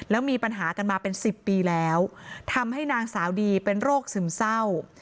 แล้วมีปัญหากันมาเป็นสิบปีแล้วทำให้นางสาวดีเป็นโรคซึมเศร้า